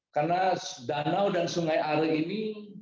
karena danau dan sungai arles ini